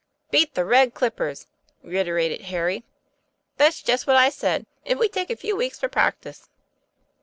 "Beat the Red Clippers!" reiterated Harry. "That's just what I said, if we take a few weeks for practice."